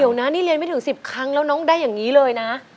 เดี๋ยวนะนี่เรียนไม่ถึง๑๐ครั้งแล้วน้องได้อย่างนี้เลยนะ